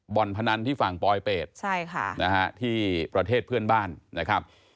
นพนันที่ฝั่งปลอยเป็ดใช่ค่ะนะฮะที่ประเทศเพื่อนบ้านนะครับ